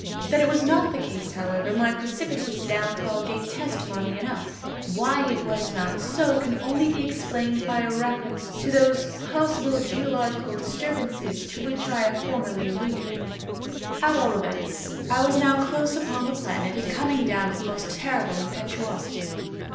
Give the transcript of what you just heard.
That it was not the case, however, my precipitous downfall gave testimony enough; why it was not so, can only be explained by a reference to those possible geological disturbances to which I have formerly alluded. At all events I was now close upon the planet, and coming down with the most terrible impetuosity.